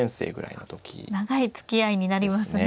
長いつきあいになりますね。